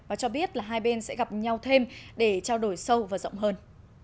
và cho biết là hai bên sẽ gặp nhau thêm để trao đổi sâu và rộng hơn